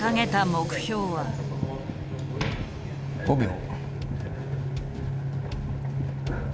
５秒。